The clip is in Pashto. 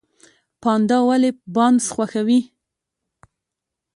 پاندا ولې بانس خوښوي؟